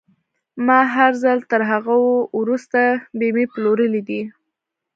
ما هر ځل تر هغه وروسته بيمې پلورلې دي.